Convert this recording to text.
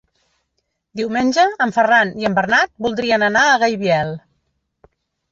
Diumenge en Ferran i en Bernat voldrien anar a Gaibiel.